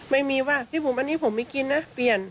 ไม่มีว่าพี่บุ๋มอันนี้ผมไม่กินนะเปลี่ยน